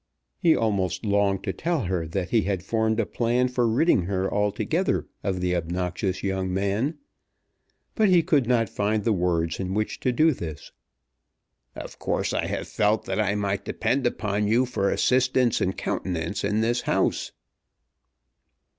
He almost longed to tell her that he had formed a plan for ridding her altogether of the obnoxious young man; but he could not find the words in which to do this. "Of course I have felt that I might depend upon you for assistance and countenance in this house."